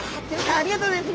ありがとうございます。